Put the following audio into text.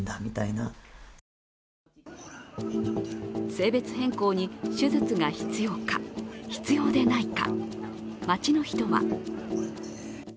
性別変更に手術が必要か、必要でないか。